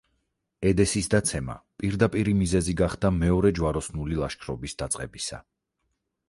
ედესის დაცემა პირდაპირი მიზეზი გახდა მეორე ჯვაროსნული ლაშქრობის დაწყებისა.